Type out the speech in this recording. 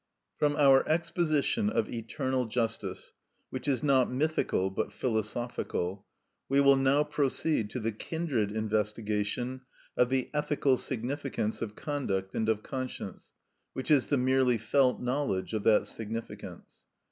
From our exposition of eternal justice, which is not mythical but philosophical, we will now proceed to the kindred investigation of the ethical significance of conduct and of conscience, which is the merely felt knowledge of that significance.